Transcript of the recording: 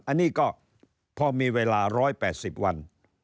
อันนี้ก็พอมีเวลา๑๘๐วัน